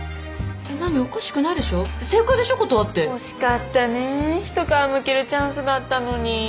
惜しかったね一皮むけるチャンスだったのに。